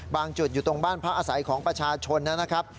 จุดอยู่ตรงบ้านพักอาศัยของประชาชนนะครับ